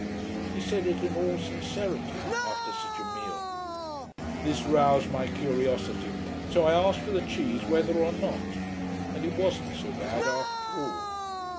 He said it in all sincerity after such a meal. This roused my curiosity, so I asked for the cheese whether or not. And it wasn't so bad after all.